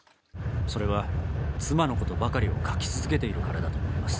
それは妻のことばかりを書き続けているからだと思います。